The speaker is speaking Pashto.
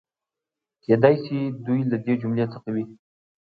کېدای شي دوی له دې جملې څخه وي.